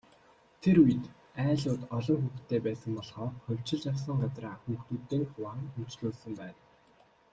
Тэр үед, айлууд олон хүүхэдтэй байсан болохоор хувьчилж авсан газраа хүүхдүүддээ хуваан өмчлүүлсэн байна.